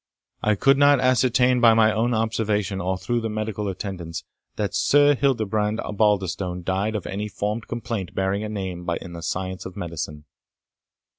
I could not ascertain by my own observation, or through the medical attendants, that Sir Hildebrand Osbaldistone died of any formed complaint bearing a name in the science of medicine.